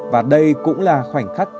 và đây cũng là khoảnh khắc